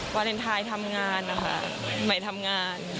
วาเลนไทยทำงานนะคะใหม่ทำงาน